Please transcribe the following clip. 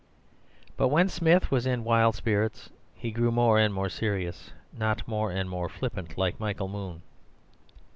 But when Smith was in wild spirits he grew more and more serious, not more and more flippant like Michael Moon.